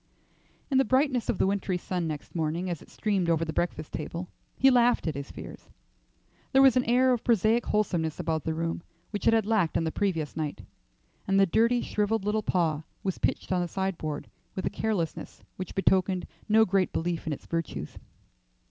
II. In the brightness of the wintry sun next morning as it streamed over the breakfast table he laughed at his fears. There was an air of prosaic wholesomeness about the room which it had lacked on the previous night, and the dirty, shrivelled little paw was pitched on the sideboard with a carelessness which betokened no great belief in its virtues.